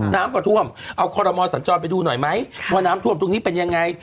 น้ำก็ท่วมเอาคอรมอสัญจรไปดูหน่อยไหมว่าน้ำท่วมตรงนี้เป็นยังไง